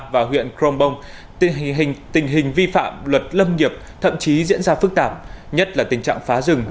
và huyện krombong tình hình vi phạm luật lâm nghiệp thậm chí diễn ra phức tạp nhất là tình trạng phá rừng